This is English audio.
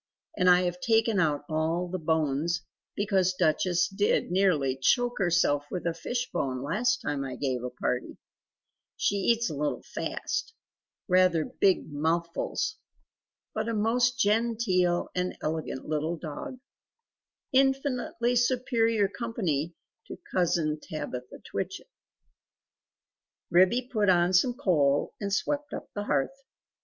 And I have taken out all the bones; because Duchess did nearly choke herself with a fish bone last time I gave a party. She eats a little fast rather big mouthfuls. But a most genteel and elegant little dog infinitely superior company to Cousin Tabitha Twitchit." Ribby put on some coal and swept up the hearth.